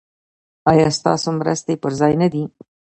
ایا ستاسو مرستې پر ځای نه دي؟